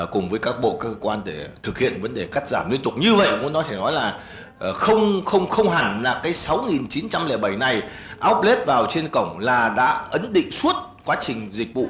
cùng với các bộ cơ quan để thực hiện vấn đề cắt giảm liên tục như vậy muốn có thể nói là không hẳn là cái sáu chín trăm linh bảy này oplade vào trên cổng là đã ấn định suốt quá trình dịch vụ